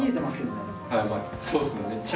まあそうですね。